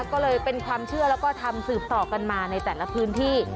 ก็เลยเป็นความเชื่อแล้วก็ทำสืบต่อกันมาในแต่ละพื้นที่